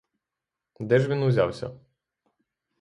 Де ж він узявся?